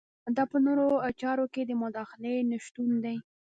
دا په نورو چارو کې د مداخلې نشتون دی.